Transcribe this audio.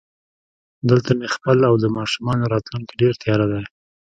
دلته مې خپل او د ماشومانو راتلونکی ډېر تیاره دی